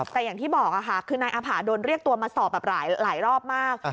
แต่อย่างที่บอกค่ะคือนายอาภาโดนเรียกตัวมาสอบแบบหลายรอบมาก